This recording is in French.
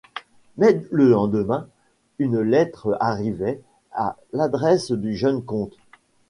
Mais, le lendemain, une lettre arrivait à l’adresse du jeune comte.